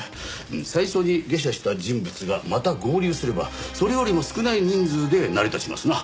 最初に下車した人物がまた合流すればそれよりも少ない人数で成り立ちますな。